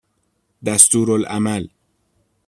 دستورالعمل